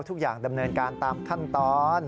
ทุกอย่างดำเนินการตามขั้นตอน